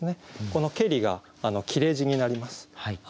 この「けり」が切れ字になります。